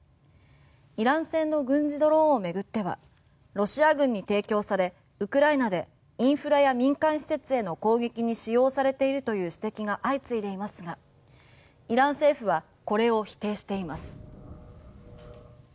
イラン製の軍事ドローンを巡ってはロシア軍に提供されウクライナでインフラや民間施設への攻撃に使用されているという指摘が相次いでいますがイラン政府はこれを否定しています。